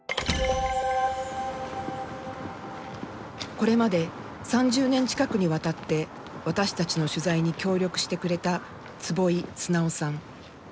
これまで３０年近くにわたって私たちの取材に協力してくれた坪井直さん。